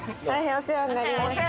お世話になりました